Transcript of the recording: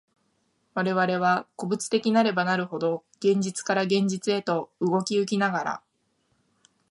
我々は個物的なればなるほど、現実から現実へと動き行きながら、